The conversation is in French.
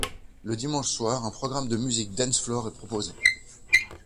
Le dimanche soir, un programmme de musique Dance Floor est proposé.